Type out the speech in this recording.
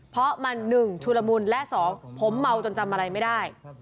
เพราะมันหนึ่งชุดละมุนและสองผมเมาจนจำอะไรไม่ได้